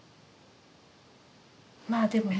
まあでもね